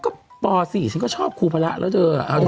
ก็ป๔ฉันก็ชอบครูพระแล้วเธอ